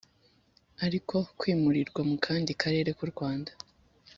ariko kwimurirwa mu kandi karere k u Rwanda